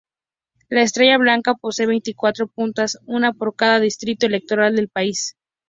La estrella blanca posee veinticuatro puntas, una por cada distrito electoral del país.